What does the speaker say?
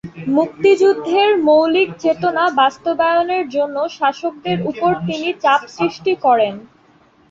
মুক্তিযুদ্ধের মৌলিক চেতনা বাস্তবায়নের জন্য শাসকদের উপর তিনি চাপ সৃষ্টি করেন।